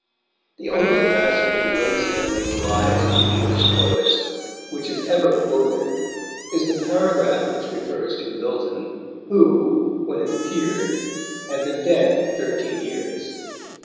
The only passage of Winstanley's Lives of the English Poets which is ever quoted is the paragraph which refers to Milton, who, when it appeared, had been dead thirteen years.